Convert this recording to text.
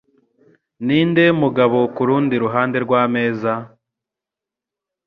Ninde mugabo kurundi ruhande rwameza?